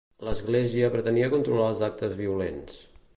L’església pretenia controlar els actes violents.